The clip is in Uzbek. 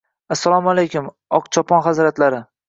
– Assalomalaykum, Oqchopon hazratlari!